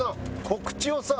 告知をさ